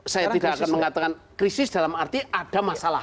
saya tidak akan mengatakan krisis dalam arti ada masalah